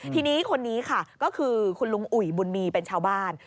ทีนี้คนนี้ค่ะก็คือคุณลุงอุ๋ยบุญมีเป็นชาวบ้าน